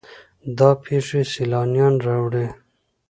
دا پیښې سیلانیان راوړي.